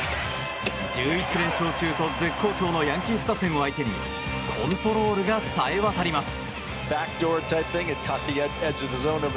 １１連勝中と絶好調のヤンキース打線を相手にコントロールがさえわたります。